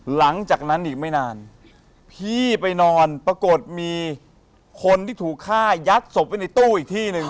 หลังจากนั้นอีกไม่นานพี่ไปนอนปรากฏมีคนที่ถูกฆ่ายัดศพไว้ในตู้อีกที่หนึ่ง